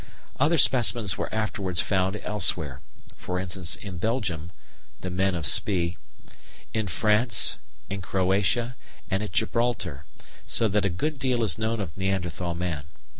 Other specimens were afterwards found elsewhere, e.g. in Belgium ("the men of Spy"), in France, in Croatia, and at Gibraltar, so that a good deal is known of Neanderthal man.